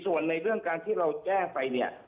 ส่วนในเรื่องการที่เราแจ้งไปเนี่ย